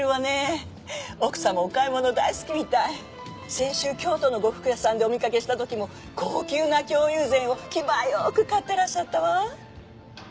先週京都の呉服屋さんでお見かけした時も高級な京友禅を気前よく買ってらっしゃったわ。